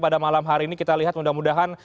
pada malam hari ini kita lihat mudah mudahan